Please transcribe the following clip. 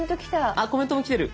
あっコメントも来てる。